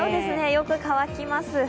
よく乾きます。